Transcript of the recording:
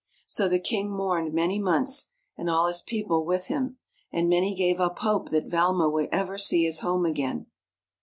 So the king mourned many months, and all his people with him; and many gave up hope that Valma would ever see his home again.